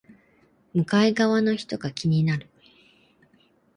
向かい側の人が気になる